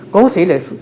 có thể là